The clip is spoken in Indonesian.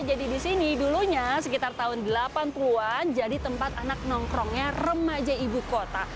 jadi di sini dulunya sekitar tahun delapan puluh an jadi tempat anak nongkrongnya remaja ibu kota